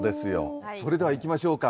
それではいきましょうか。